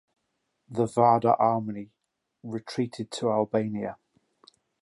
The Vardar Army retreated to Albania.